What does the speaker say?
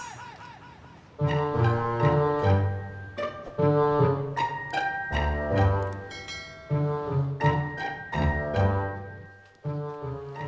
yang tak berani